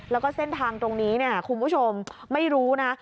แล้วก็เส้นทางตรงนี้เนี่ยคุณผู้ชมไม่รู้นะ